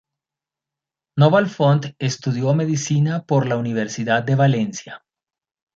Noval Font estudió Medicina por la Universidad de Valencia.